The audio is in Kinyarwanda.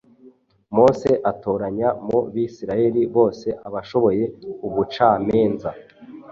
Mose atoranya mu Bisirayeli bose abashoboye ubucamenza,